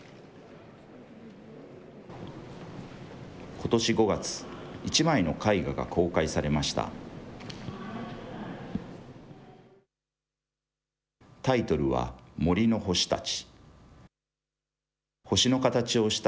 ことし５月、１枚の絵画が公開されました。